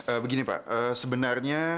ah begini pak sebenarnya